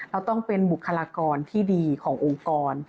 เราต้องเป็นบุคลากรที่ดีขององค์กร